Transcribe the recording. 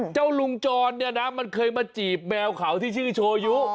เจ้าลุงจรเนี่ยนะมันเคยมาจีบแมวเขาที่ชื่อโชยุ